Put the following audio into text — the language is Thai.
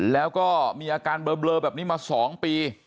แล้วก็มีอาการเบลอแบบนี้มา๒ปี